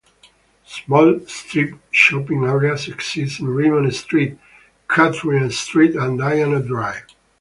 Small strip shopping areas exist in Raymond Street, Katrina Street and Diana Drive.